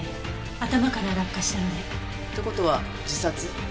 頭から落下したので。って事は自殺？